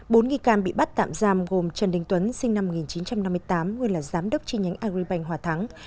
bốn nghi can bị bắt tạm giam gồm trần đình tuấn sinh năm một nghìn chín trăm năm mươi tám nguyên là giám đốc chi nhánh agribank hòa thắng